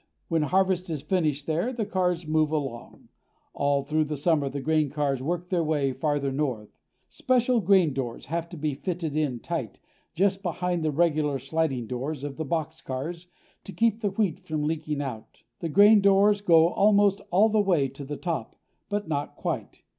When harvest is finished there, the cars move along. All through the summer the grain cars work their way farther north. Special grain doors have to be fitted in tight, just behind the regular sliding doors of the boxcars, to keep the wheat from leaking out. The grain doors go almost all the way to the top, but not quite.